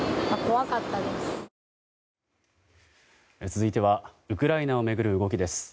続いてはウクライナを巡る動きです。